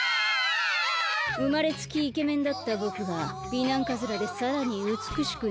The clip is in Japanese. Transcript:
うまれつきイケメンだったぼくが美男カズラでさらにうつくしくなるなんて。